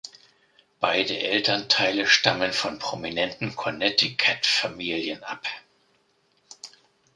Beide Elternteile stammen von prominenten Connecticut Familien ab.